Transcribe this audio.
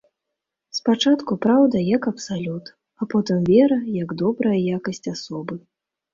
Спачатку праўда як абсалют, а потым вера як добрая якасць асобы.